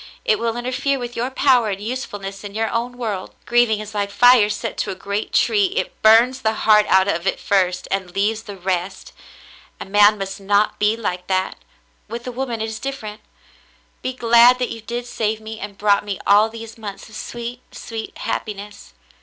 It will interfere with your power and usefulness in your own world. Grieving is like fire set to a great tree. It burns the heart out of it first, and leaves the rest. A man must not be like that. With a woman it is different. Be glad that you did save me and brought me all these months of sweet, sweet happiness.